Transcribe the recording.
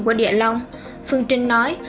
của địa lông phương trinh nói